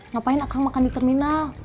ngapain akan makan di terminal